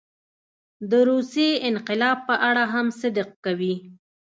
د روسیې انقلاب په اړه هم صدق کوي.